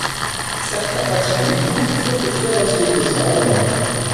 Certains factions ouïghours furent de féroces opposants à Yang.